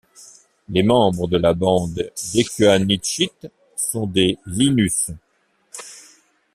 Les membres de la bande d'Ekuanitshit sont des Innus.